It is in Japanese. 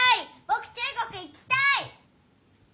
ぼく中国行きたい！